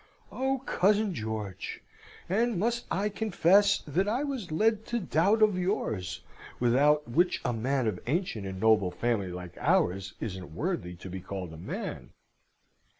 "Oh, cousin George! and must I confess that I was led to doubt of yours, without which a man of ancient and noble family like ours isn't worthy to be called a man!